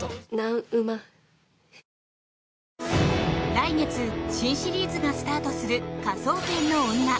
来月、新シリーズがスタートする「科捜研の女」。